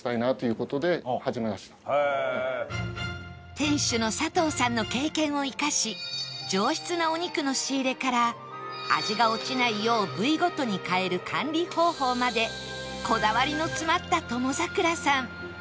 店主の佐藤さんの経験を生かし上質なお肉の仕入れから味が落ちないよう部位ごとに変える管理方法までこだわりの詰まった友櫻さん